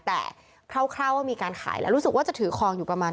แต่คร่าวว่ามีการขายแล้วรู้สึกว่าจะถือคลองอยู่ประมาณ